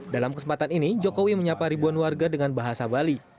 dalam kesempatan ini jokowi menyapa ribuan warga dengan bahasa bali